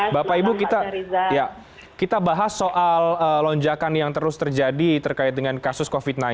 bapak ibu kita bahas soal lonjakan yang terus terjadi terkait dengan kasus covid sembilan belas